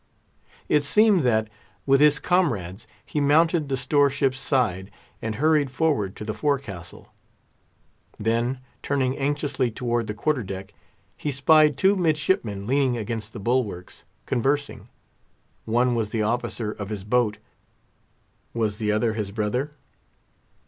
It seemed that, with his comrades, he mounted the store ship's side, and hurried forward to the forecastle. Then, turning anxiously toward the quarter deck, he spied two midshipmen leaning against the bulwarks, conversing. One was the officer of his boat—was the other his brother?